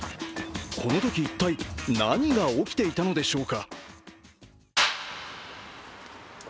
このとき、一体何が起きていたのでしょうか。